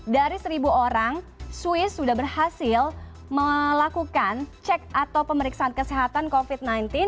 dari seribu orang swiss sudah berhasil melakukan cek atau pemeriksaan kesehatan covid sembilan belas